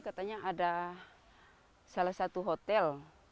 katanya ada salah satu hotel